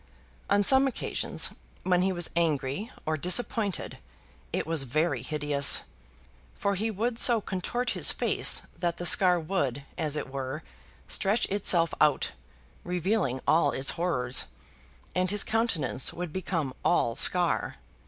On some occasions, when he was angry or disappointed, it was very hideous; for he would so contort his face that the scar would, as it were, stretch itself out, revealing all its horrors, and his countenance would become all scar.